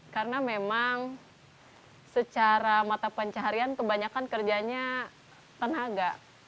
karena memang secara mata pencarian kebanyakan kerjanya tenaga